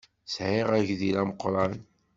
Ssɛiɣ agdil ameqran.